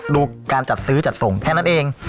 ดูการจัดซื้อจัดส่งแค่นั้นเอง